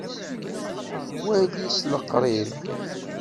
Wali s liqṛib!